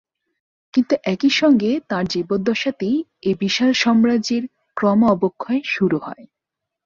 কিন্তু একই সঙ্গে তাঁর জীবদ্দশাতেই এ বিশাল সাম্রাজ্যের ক্রম অবক্ষয় শুরু হয়।